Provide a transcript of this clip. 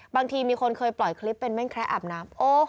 มีคนเคยปล่อยคลิปเป็นแม่งแคระอาบน้ำ